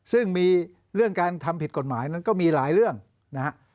ซึ่งมีเรื่องการทำผิดกฎหมายนั้นก็มีหลายเรื่องนะฮะ